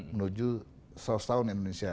menuju seratus tahun